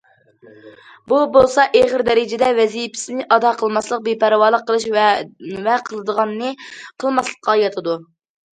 بۇ بولسا، ئېغىر دەرىجىدە ۋەزىپىسىنى ئادا قىلماسلىق، بىپەرۋالىق قىلىش ۋە قىلىدىغاننى قىلماسلىققا ياتىدۇ.